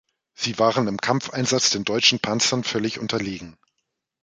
Sie waren im Kampfeinsatz den deutschen Panzern völlig unterlegen.